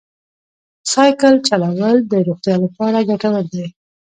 سایکل چلول د روغتیا لپاره ګټور دی.